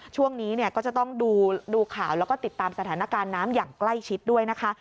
ช่วงนี้เนี่ยก็จะต้องดูข่าวแล้วก็ติดตามสถานการณ์น้ำอย่างใกล้ชิดด้วยนะคะ